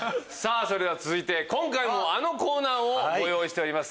続いて今回もあのコーナーをご用意しております。